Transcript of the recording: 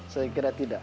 saya kira tidak